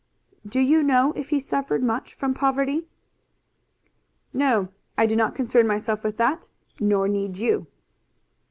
"Do you know if he suffered much from poverty?" "No; I did not concern myself with that, nor need you."